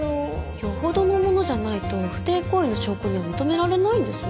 よほどのものじゃないと不貞行為の証拠には認められないんですね。